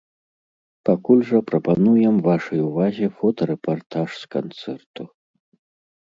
Пакуль жа прапануем вашай увазе фотарэпартаж з канцэрту.